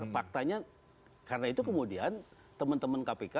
faktanya karena itu kemudian teman teman kpk